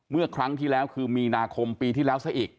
เมื่อครั้งที่แล้วคือมีนาคมปีที่แล้วซะอีก